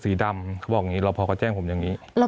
มีความรู้สึกว่ามีความรู้สึกว่ามีความรู้สึกว่า